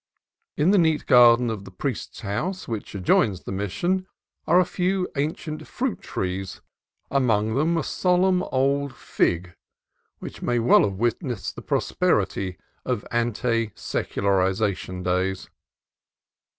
In the neat garden of the priest's house, which adjoins the Mission, are a few ancient fruit trees, among them a solemn old fig which may well have witnessed the prosperity of ante secularization days.